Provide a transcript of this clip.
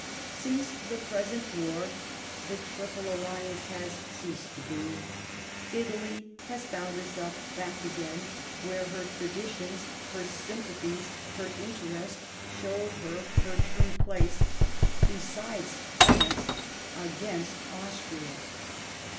Since the present war, the Triple Alliance has ceased to be ; Italy has found herself back again where her traditions, her sympathies, her interest showed her her true place, beside France against Austria.